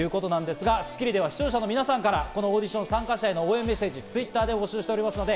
『スッキリ』では視聴者の皆さんからこのオーディション参加者へのメッセージをＴｗｉｔｔｅｒで募集しております。